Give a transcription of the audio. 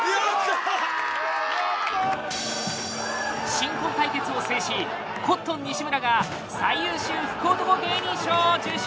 新婚対決を制しコットン西村が最優秀福男芸人賞を受賞！